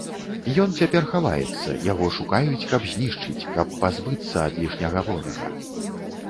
Ён цяпер хаваецца, яго шукаюць, каб знішчыць, каб пазбыцца ад лішняга ворага.